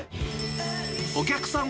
お客さん